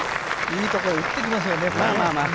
いいところに打ってきますよね。